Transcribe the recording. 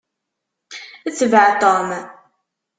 Tbeɛ Tom!